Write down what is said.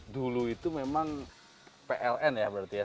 dulu itu memang pln ya berarti ya